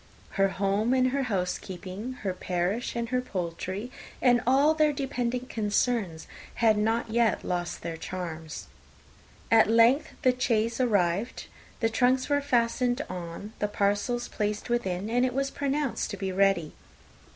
Her home and her housekeeping, her parish and her poultry, and all their dependent concerns, had not yet lost their charms. At length the chaise arrived, the trunks were fastened on, the parcels placed within, and it was pronounced to be ready.